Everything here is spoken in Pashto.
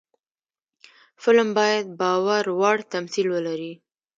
فلم باید باور وړ تمثیل ولري